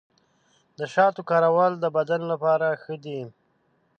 د شاتو کارول د بدن لپاره ښه دي.